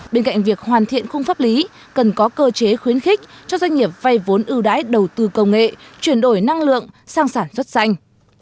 bên cạnh việc hoàn thiện khung pháp lý cần có cơ chế khuyến khích cho doanh nghiệp vay vốn ưu đái đầu tư công nghệ chuyển đổi năng lượng sang sản xuất xanh